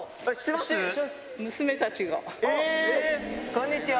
こんにちは。